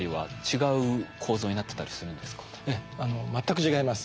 ええ全く違います。